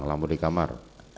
lampu di kamar